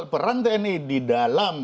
peran tni di dalam